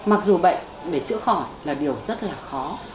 mặc dù bệnh để chữa khỏi là điều rất là khó